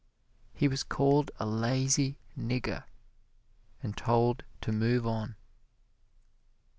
He was called a lazy nigger and told to move on.